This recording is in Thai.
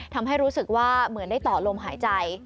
ทำให้รู้สึกว่าเหมือนได้ต่อลมหายใจ